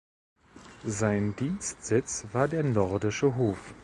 Sein Dienstsitz war der „Nordische Hof“.